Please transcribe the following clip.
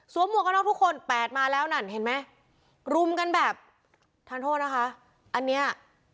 หมวกกันน็อกทุกคนแปดมาแล้วนั่นเห็นไหมรุมกันแบบทานโทษนะคะอันเนี้ย